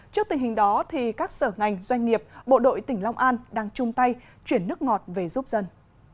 trước tình hình đó các sở ngành doanh nghiệp bộ đội tỉnh long an đang chung tay chuyển nước ngọt về giúp dân